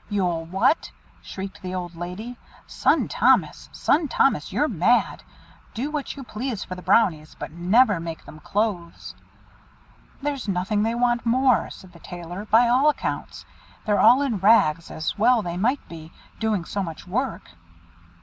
"You'll what?" shrieked the old lady. "Son Thomas, son Thomas, you're mad! Do what you please for the Brownies, but never make them clothes." "There's nothing they want more," said the Tailor, "by all accounts. They're all in rags, as well they may be, doing so much work."